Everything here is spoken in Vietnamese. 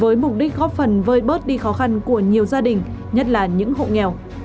với mục đích góp phần vơi bớt đi khó khăn của nhiều gia đình nhất là những hộ nghèo